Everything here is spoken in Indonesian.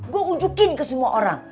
gue unjukin ke semua orang